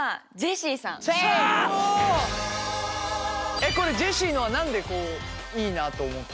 えっこれジェシーのは何でいいなと思ったんですか？